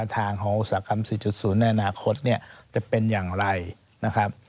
ถูกต้องครับ